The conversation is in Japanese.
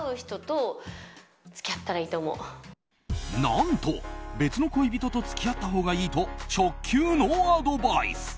何と、別の恋人と付き合ったほうがいいと直球のアドバイス！